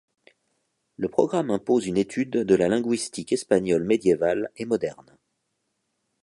Le programme impose une étude de la linguistique espagnole médiévale et moderne.